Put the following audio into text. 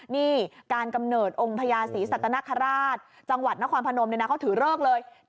นี่การกำเนิดองค์พญาศรีสัตนคราชจังหวัดนครพนมเขาถือเลิกเลย